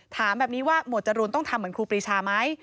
ถามแบบนี้ว่าหมวดจรูนต้องทำเหมือนครูปรีชาไหม